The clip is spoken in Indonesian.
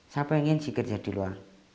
saya pengen sih kerja di luar